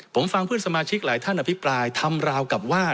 ผมฟังเพื่อนสมาชิกหลายท่านอภิปรายทำราวกับว่า